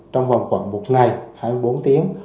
trong vòng khoảng một ngày hai mươi bốn tiếng